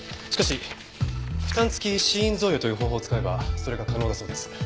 しかし負担付死因贈与という方法を使えばそれが可能だそうです。